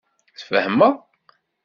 Tfehmeḍ.